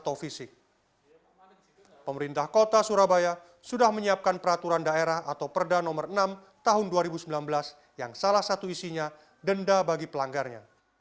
warga yang mendaftar nantinya mendapatkan pendataan pendataan penduduk non permanen yang masuk kategori ini diantaranya